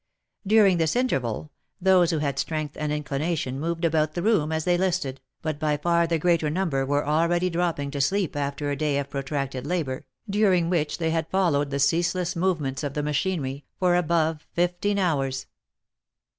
During this in terval, those who had strength and inclination moved about the room as they listed, but by far the greater number were already dropping to sleep after a day of protracted labour, during which they had fol lowed the ceaseless movements of the machinery, for above fifteen hours.